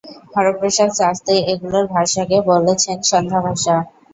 হরপ্রসাদ শাস্ত্রী এগুলির ভাষাকে বলেছেন ‘সন্ধ্যা ভাষা’।